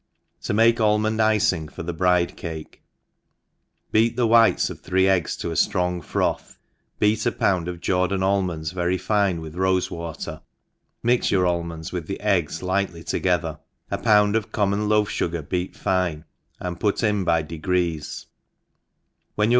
To maie ALMOND^IciiiG Jbr tie Bride Cake. BEAT the whites of three eggs to adtong froth, beat a pound of Jordanalaionds very fine with rofe water, mix your almonds with the eggs lightly together, a pound of common loaf fugar beat fine, and put in by degrees ; when your